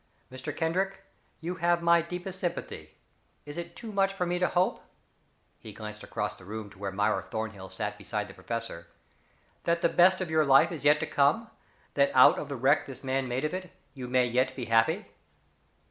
Mr. Kendrick, you have my deepest sympathy. Is it too much for me to hope" he glanced across the room to where Myra Thornhill sat beside the professor "that the best of your life is yet to come that out of the wreck this man made of it you may yet be happy?"